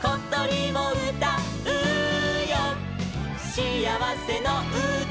「しあわせのうた」